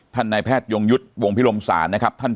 นายแพทยงยุทธ์วงพิรมศาลนะครับ